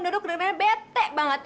dodo kedengerannya bete banget